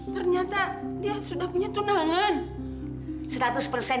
ternyata dia sudah punya tunangan